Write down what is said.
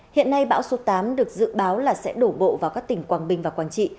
hiện nay bão số tám được dự báo là sẽ đổ bộ vào các tỉnh quảng bình và quảng trị